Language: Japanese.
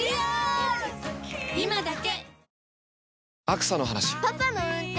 今だけ！